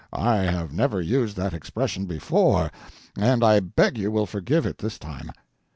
I have never used that expression before, and I beg you will forgive it this time."